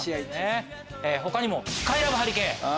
他にスカイラブ・ハリケーン。